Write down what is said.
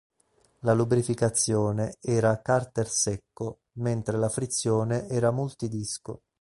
La lubrificazione era a carter secco, mentre la frizione era multidisco.